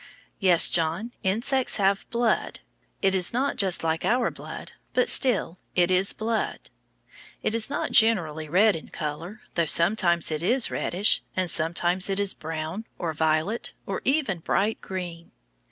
Yes, John, insects have blood. It is not just like our blood, but still it is blood. It is not generally red in color, though sometimes it is reddish, and sometimes it is brown, or violet, or even bright green.